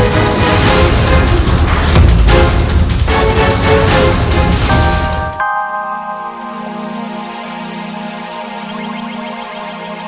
dia bukan tandinganku